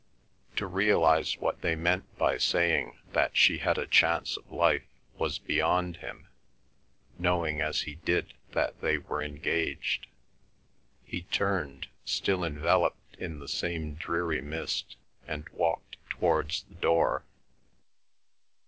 To realise what they meant by saying that she had a chance of life was beyond him, knowing as he did that they were engaged. He turned, still enveloped in the same dreary mist, and walked towards the door.